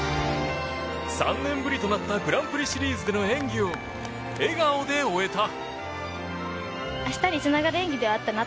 ３年ぶりとなったグランプリシリーズでの演技を笑顔で終えた。